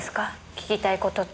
聞きたい事って。